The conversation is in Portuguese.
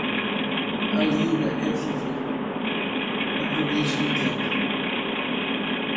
A língua é viva e progride no tempo